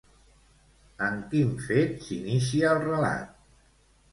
Amb quin fet s'inicia el relat?